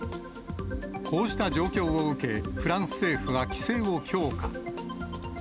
こうした状況を受け、フランス政府は規制を強化。